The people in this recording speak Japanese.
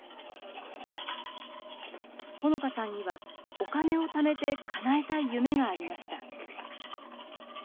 ほのかさんにはお金をためてかなえたい夢がありました。